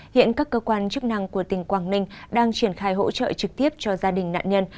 hiện các cơ quan chức năng của tỉnh quảng ninh đang triển khai hỗ trợ trực tiếp cho gia đình nạn nhân